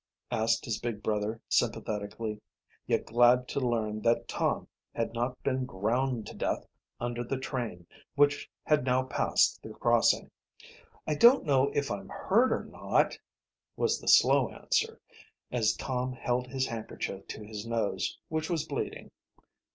asked his big brother sympathetically, yet glad to learn that Tom had not been ground to death under the train, which had now passed the crossing. "I don't know if I'm hurt or not," was the 'slow answer, as Tom held his handkerchief to his nose, which was bleeding.